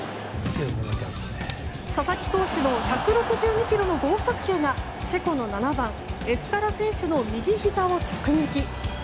佐々木投手の１６２キロの豪速球がチェコの７番、エスカラ選手の右ひざを直撃。